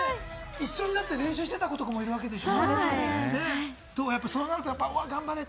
一緒になって練習してた子もいるんでしょ？